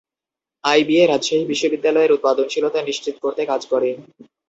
IBA, Rajshahi বিশ্ববিদ্যালয়ের উৎপাদনশীলতা নিশ্চিত করতে কাজ করে।